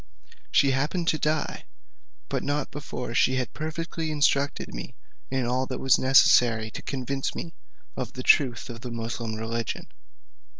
She happened to die, but not before she had perfectly instructed me in all that was necessary to convince me of the truth of the Moosulmaun religion.